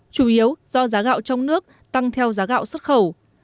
chủ yếu do giá gạo trong nước tăng theo giá gạo xuất khẩu